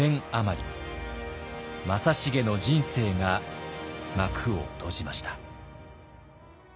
正成の人生が幕を閉じました。